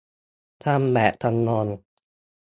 ทำแบบจำลอง